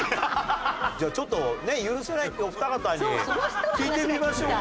じゃあちょっとね許せないっていうお二方に聞いてみましょうか。